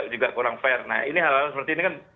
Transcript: juga kurang fair nah ini hal hal seperti ini kan